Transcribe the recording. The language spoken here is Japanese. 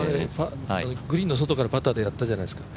グリーンの外からパターでやったじゃないですか。